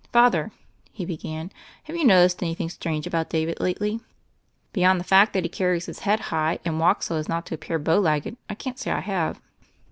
"Father," he began, "have you noticed any thing strange about David lately?" "Beyond the fact that he carries his head high, and walks so as not to appear bowlegged, I can't say I have."